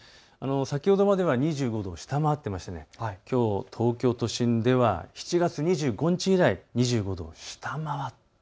先ほどまでは２５度を下回っていましたがきょう、東京都心では７月２５日以来２５度を下回った。